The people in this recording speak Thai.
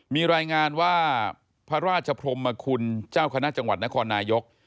มีรายงานว่าพระราชพรมคุณเจ้าคณะจังหวัดนครนายก